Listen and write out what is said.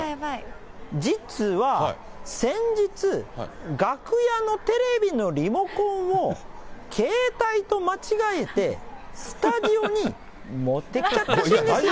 実は、先日、楽屋のテレビのリモコンを携帯と間違えて、スタジオに持ってきちゃったらしいんですよ。